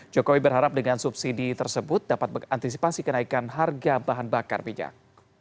jokowi berharap dengan subsidi tersebut dapat mengantisipasi kenaikan harga bahan bakar minyak